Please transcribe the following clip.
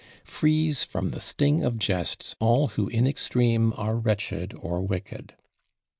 Frees from the sting of jests all who in extreme Are wretched or wicked."